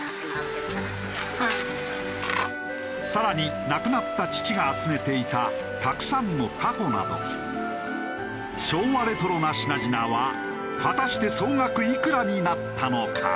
更に亡くなった父が集めていたたくさんのたこなど昭和レトロな品々は果たして総額いくらになったのか？